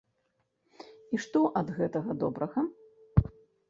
І што ад гэтага добрага?